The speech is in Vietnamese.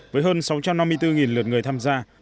với hơn sáu trăm năm mươi bốn lượt người tham gia